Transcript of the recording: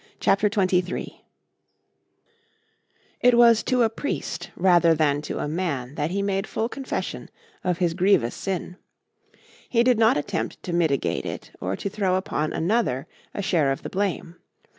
CHAPTER XXIII It was to a priest rather than to a man that he made full confession of his grievous sin. He did not attempt to mitigate it or to throw upon another a share of the blame.